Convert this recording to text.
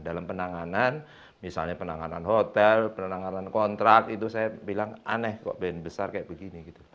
dalam penanganan misalnya penanganan hotel penanganan kontrak itu saya bilang aneh kok band besar kayak begini gitu